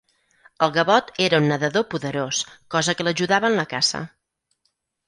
El gavot era un nedador poderós, cosa que l'ajudava en la caça.